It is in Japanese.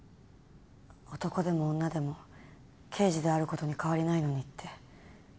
男でも女でも刑事であることに変わりないのにって。